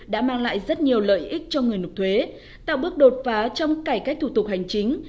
đã mang lại rất nhiều lợi ích cho người nộp thuế tạo bước đột phá trong cải cách thủ tục hành chính